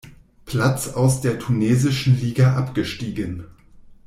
Platz aus der tunesischen Liga abgestiegen.